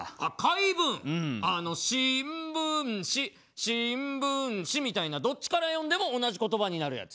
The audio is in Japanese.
「しんぶんししんぶんし」みたいなどっちから読んでも同じ言葉になるやつ。